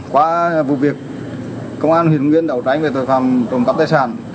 qua vụ việc công an huyện nguyên đấu tranh về tội phạm trộm cắp tài sản